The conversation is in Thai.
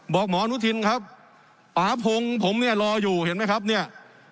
หมออนุทินครับป๊าพงผมเนี่ยรออยู่เห็นไหมครับเนี่ย